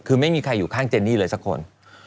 คือไม่มีใครอยู่ข้างเจนนี่เลยสักคน